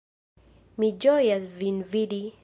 Mi ĝojas vin vidi!